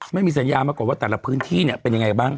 ไม่มีสัญญามาก่อนว่าแต่ละพื้นที่เนี่ยเป็นยังไงบ้าง